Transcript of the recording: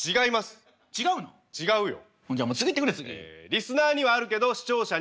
リスナーにはあるけど視聴者にはない。